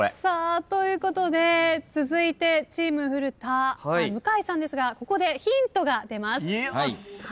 ということで続いてチーム古田向井さんですがここでヒントが出ます。